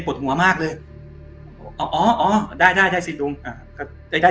ปวดหัวมากเลยอ๋อได้สิ